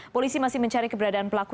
polisi masih mencari keberadaan pelaku